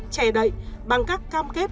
che đậy bằng các cam kết